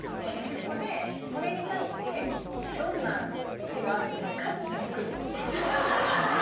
そこでこれに対して「どんな手があるんですか？」って多分来ると思うんです。